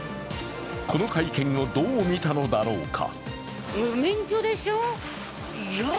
この会見をどう見たのだろうか。